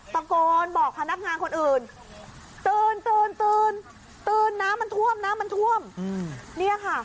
ตะโกนบอกพนักงานคนอื่นตื่นน้ำมันท่วมนี่ค่ะ